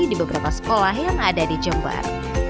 di beberapa sekolah yang ada di jember